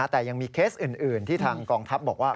แต่ยังมีเคสอื่นที่ทางกองทัพบอกว่า